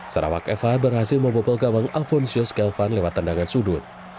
sarawak fa berhasil membobol gawang afonsius kelvan lewat tendangan sudut